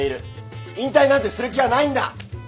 引退なんてする気はないんだ！